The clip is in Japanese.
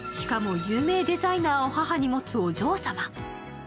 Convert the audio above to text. しかも有名デザイナーを母に持つお嬢様。